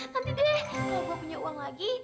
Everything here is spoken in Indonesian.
nanti deh kalau gue punya uang lagi